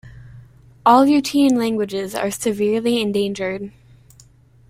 All Utian languages are severely endangered.